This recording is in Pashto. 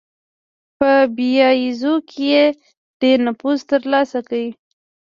په باییزو کې یې ډېر نفوذ ترلاسه کړ.